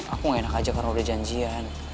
aku enak aja karena udah janjian